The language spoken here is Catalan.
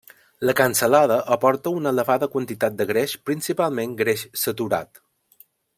La cansalada aporta una elevada quantitat de greix principalment greix saturat.